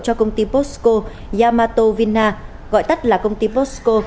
cho công ty posco yamato vina gọi tắt là công ty posco